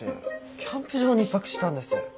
キャンプ場に１泊したんです。